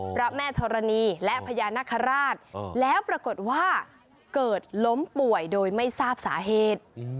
พระแม่ธรณีและพญานาคาราชแล้วปรากฏว่าเกิดล้มป่วยโดยไม่ทราบสาเหตุ